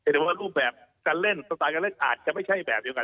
แต่ว่ารูปแบบการเล่นสไตล์การเล่นอาจจะไม่ใช่แบบเดียวกัน